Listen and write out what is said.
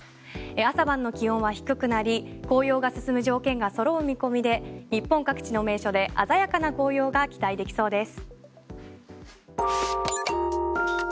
朝晩の気温は低くなり紅葉が進む条件が揃う見込みで日本各地の名所で鮮やかな紅葉が期待できそうです。